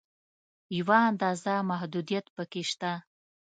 یوه اندازه محدودیت په کې شته.